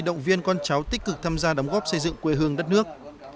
động viên con cháu tích cực tham gia đóng góp xây dựng quê hương đất nước